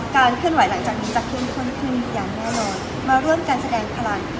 เคลื่อนไหวหลังจากนี้จะเข้มข้นขึ้นอย่างแน่นอนมาร่วมกันแสดงพลัง